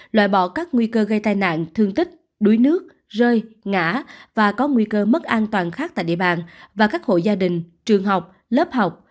loại bỏ các nguy cơ gây tai nạn thương tích đuối nước rơi ngã và có nguy cơ mất an toàn khác tại địa bàn và các hộ gia đình trường học lớp học